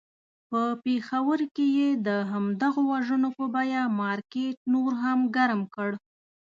په پېښور کې یې د همدغو وژنو په بیه مارکېټ نور هم ګرم کړ.